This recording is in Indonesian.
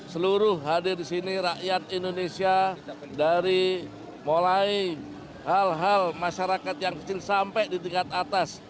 seluruh hadir di sini rakyat indonesia dari mulai hal hal masyarakat yang kecil sampai di tingkat atas